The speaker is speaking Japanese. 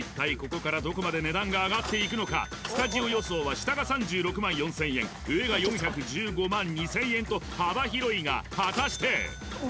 ここからどこまで値段が上がっていくのかスタジオ予想は下が３６万４０００円上が４１５万２０００円と幅広いが果たして？